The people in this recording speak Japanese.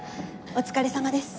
お疲れさまです。